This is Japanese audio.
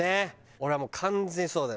俺はもう完全にそうだよ。